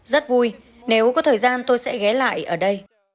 rất vui nếu có thời gian tôi sẽ ghé lại ở đây